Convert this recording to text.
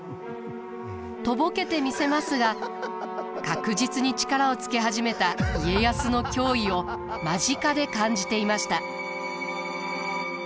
とぼけてみせますが確実に力をつけ始めた家康の脅威を間近で感じていました。